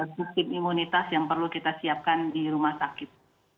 sistem imunitas yang perlu kita siapkan di rumah sakit